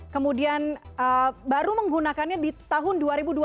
kemudian baru menggunakannya di tahun dua ribu dua puluh